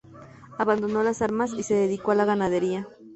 Abandonó las armas y se dedicó a la ganadería.